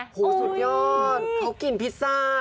โอ้โฮสุดยอดเขากินพิซซ่ากันนะ